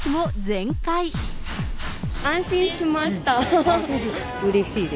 安心しました。